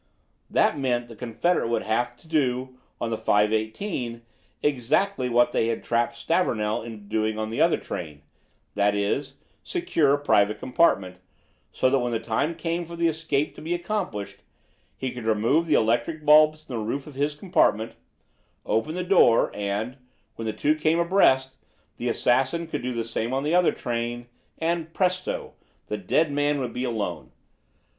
That meant that the confederate would have to do, on the 5.18, exactly what they had trapped Stavornell into doing on the other train: that is, secure a private compartment, so that when the time came for the escape to be accomplished he could remove the electric bulbs from the roof of his compartment, open the door, and, when the two came abreast, the assassin could do the same on the other train, and presto! the dead man would be alone.